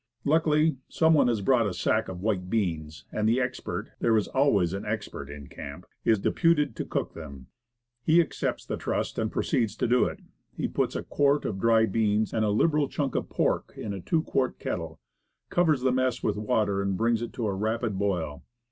Luckily, some .one has brought a sack of white beans, and the expert there is always an expert in camp is deputed to cook them. He accepts the trust, and proceeds to do it. He puts a quart of dry beans and a liberal chunk of pork in a two quart kettle, covers the mess with water, and brings it to a rapid boil.